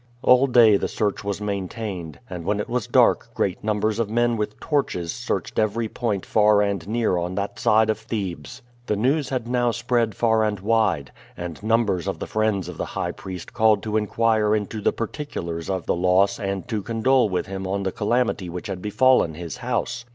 All day the search was maintained, and when it was dark great numbers of men with torches searched every point far and near on that side of Thebes. The news had now spread far and wide, and numbers of the friends of the high priest called to inquire into the particulars of the loss and to condole with him on the calamity which had befallen his house.